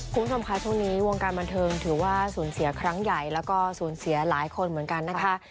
คุณผู้ชมค่ะช่วงนี้วงการบันเทิงถือว่าสูญเสียครั้งใหญ่แล้วก็สูญเสียหลายคนเหมือนกันนะคะ